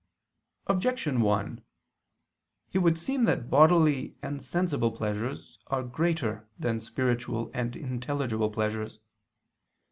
Objection 1: It would seem that bodily and sensible pleasures are greater than spiritual and intelligible pleasures.